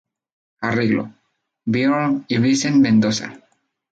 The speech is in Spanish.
Arreglo: Björk y Vincent Mendoza.